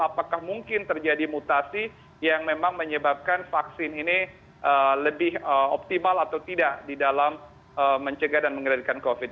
apakah mungkin terjadi mutasi yang memang menyebabkan vaksin ini lebih optimal atau tidak di dalam mencegah dan mengendalikan covid